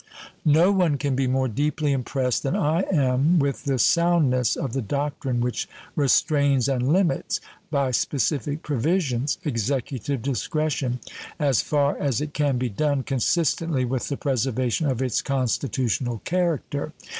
No one can be more deeply impressed than I am with the soundness of the doctrine which restrains and limits, by specific provisions, executive discretion, as far as it can be done consistently with the preservation of its constitutional character.